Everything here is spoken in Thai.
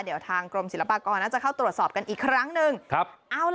เดี๋ยวทางกรมศิลปากรน่าจะเข้าตรวจสอบกันอีกครั้งหนึ่งครับ